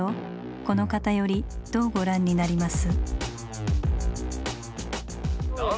この偏りどうご覧になります？